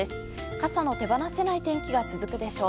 傘の手放せない天気が続くでしょう。